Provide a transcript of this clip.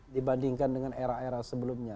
dibandingkan dengan era era sebelumnya